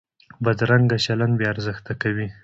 بدرنګه چلند بې ارزښته کوي